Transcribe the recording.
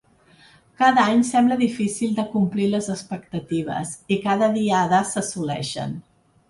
Cada any sembla difícil de complir les expectatives i cada Diada s’assoleixen.